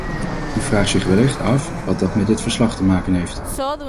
U vraagt zich wellicht af wat dat met dit verslag te maken heeft.